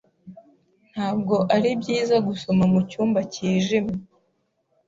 Ntabwo ari byiza gusoma mu cyumba cyijimye.